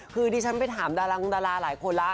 คือดิฉันไปถามดารางดาราหลายคนแล้ว